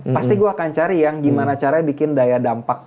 pasti gue akan cari yang gimana caranya bikin daya dampak